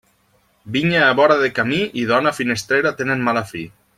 Vinya a vora de camí i dona finestrera tenen mala fi.